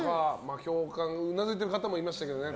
共感、うなずいてる方もいましたけど。